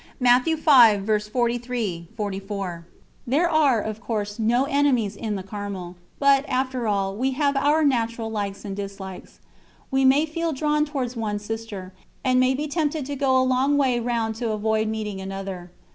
" There are, of course, no enemies in the Carmel; but, after all, we have our natural likes and dislikes. We may feel drawn towards one Sister, and may be tempted to go a long way round to avoid meeting another.